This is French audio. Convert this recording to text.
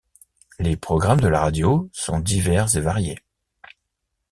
Les programmes de la radio sont divers et variés.